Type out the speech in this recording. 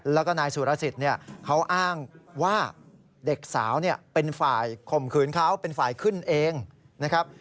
แล้วก็นายสุรสิทธิ์เนี่ยเขาอ้างว่าเด็กสาวเป็นฝ่ายข่มขืนเขาเป็นฝ่ายขึ้นเองนะครับ